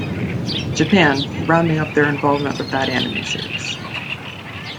Japan, rounding up their involvement with that anime series.